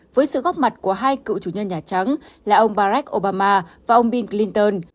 với sự góp mặt của hai cựu chủ nhân nhà trắng là ông barack obama và ông bill clinton